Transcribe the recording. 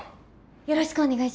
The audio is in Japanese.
よろしくお願いします。